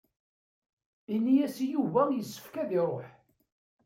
Ini-as i Yuba yessefk ad iṛuḥ.